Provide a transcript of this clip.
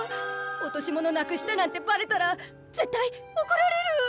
落とし物なくしたなんてバレたら絶対おこられる！